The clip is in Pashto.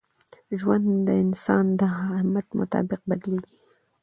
ژوند د انسان د همت مطابق بدلېږي.